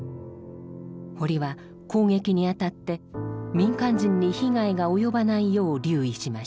堀は攻撃にあたって民間人に被害が及ばないよう留意しました。